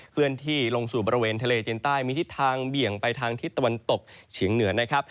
เคลื่อนที่ลงสู่บริเวณทะเลจีนใต้มีทิศทางเบี่ยงไปทางทิศตะวันตกเฉียงเหนือนะครับ